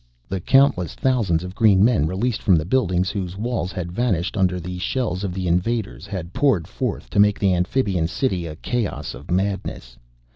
The countless thousands of green men released from the buildings whose walls had vanished under the shells of the invaders had poured forth to make the amphibian city a chaos of madness.